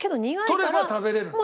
取れば食べれるの？